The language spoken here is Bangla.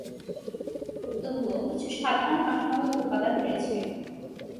তবুও, কিছু সাধারণ কাঠামোগত উপাদান রয়েছে।